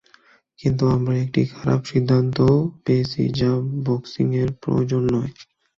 কিন্তু আমরা একটি খারাপ সিদ্ধান্তও পেয়েছি, যা বক্সিং এর প্রয়োজন নয়।